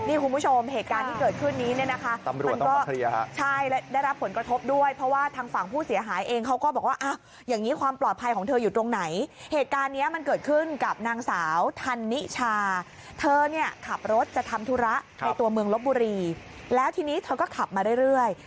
อาจจะทำธุระในตัวเมืองลบบุรีแล้วทีนี้เธอก็ขับมาเรื่อย